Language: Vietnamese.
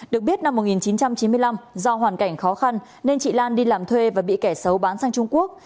được biết năm một nghìn chín trăm chín mươi năm do hoàn cảnh khó khăn nên chị lan đi làm thuê và bị kẻ xấu bán sang trung quốc